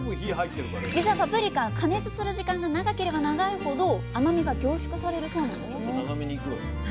じつはパプリカは加熱する時間が長ければ長いほど甘みが凝縮されるそうなんですね。